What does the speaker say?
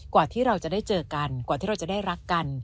กว่าที่เราจะได้เจอกันกว่าที่เราจะได้รักกัน